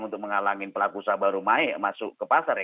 untuk menghalangi pelaku sah baru masuk ke pasar ya